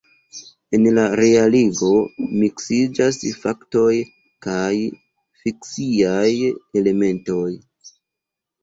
En la realigo miksiĝas faktoj kaj fikciaj elementoj.